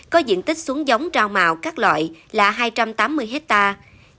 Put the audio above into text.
có diện tích xuống giống rau màu các loại là hai trăm tám mươi hectare